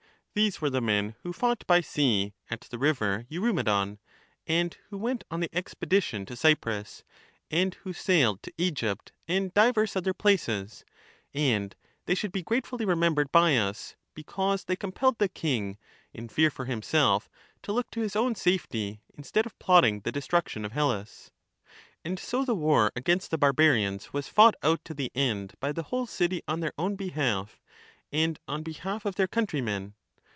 These were the men who fought by sea at the river Eurymedon, and who went on the ex pedition to Cyprus, and who sailed to Egypt and divers other places ; and they should be gratefully remembered by us, because they compelled the king in fear for himself to 241 Wars and expeditions of the Athenians. 525 look to his own safety instead of plotting the destruction of Menexenus. Hellas. Socrates. 242 And so the war against the barbarians was fought out to the end by the whole city on their own behalf, and on behalf of their countrymen.